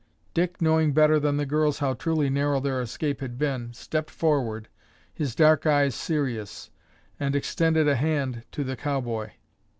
Dick, knowing better than the girls how truly narrow their escape had been, stepped forward, his dark eyes serious, and extended a hand to the cowboy.